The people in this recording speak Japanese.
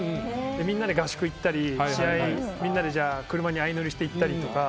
みんなで合宿行ったり試合をみんなで車に相乗りして行ったりとか。